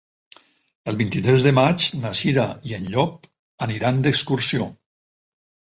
El vint-i-tres de maig na Cira i en Llop aniran d'excursió.